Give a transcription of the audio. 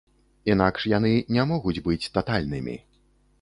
Інакш яны не могуць быць татальнымі.